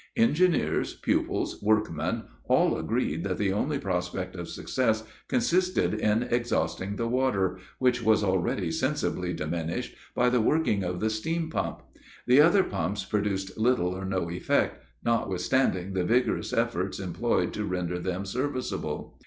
Engineers, pupils, workmen, all agreed that the only prospect of success consisted in exhausting the water, which was already sensibly diminished, by the working of the steam pump; the other pumps produced little or no effect, notwithstanding the vigorous efforts employed to render them serviceable.